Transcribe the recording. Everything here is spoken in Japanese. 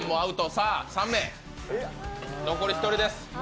さあ３名、残り１人です。